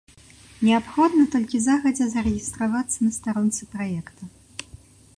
Неабходна толькі загадзя зарэгістравацца на старонцы праекта.